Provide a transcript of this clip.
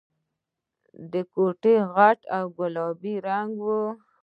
کوټه غټه او گلابي رنګه وه.